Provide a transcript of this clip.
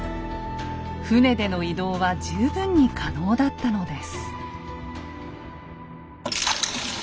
船での移動は十分に可能だったのです。